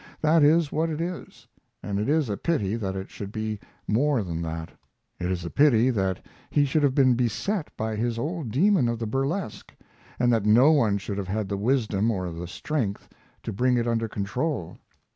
That is what it is, and it is a pity that it should be more than that. It is a pity that he should have been beset by his old demon of the burlesque, and that no one should have had the wisdom or the strength to bring it under control.